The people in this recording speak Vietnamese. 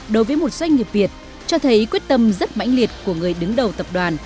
đối với một doanh nghiệp việt cho thấy quyết tâm rất mãnh liệt của người đứng đầu tập đoàn